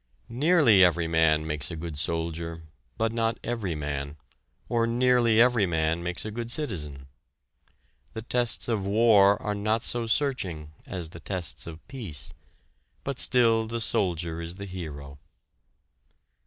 Nearly every man makes a good soldier, but not every man, or nearly every man makes a good citizen: the tests of war are not so searching as the tests of peace, but still the soldier is the hero.